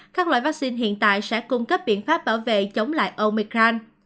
các loại vaccine hiện tại sẽ cung cấp biện pháp bảo vệ chống lại omican